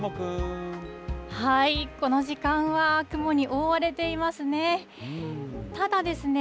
この時間は雲に覆われていますね。